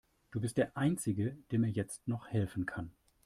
Du bist der einzige, der mir jetzt noch helfen kann.